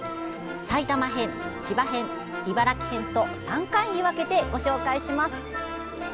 埼玉編・千葉編・茨城編と３回に分けてご紹介します。